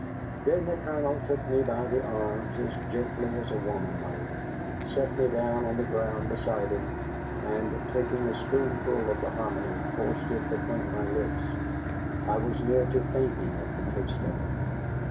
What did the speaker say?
Then the Colonel took me by the arms, as gently as a woman might, set me down on the ground beside him, and taking a spoonful of the hominy forced it between my lips. I was near to fainting at the taste of it.